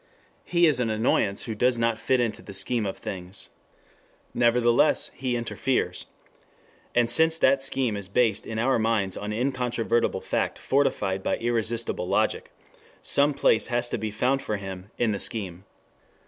He is an annoyance who does not fit into the scheme of things. Nevertheless he interferes. And since that scheme is based in our minds on incontrovertible fact fortified by irresistible logic, some place has to be found for him in the scheme.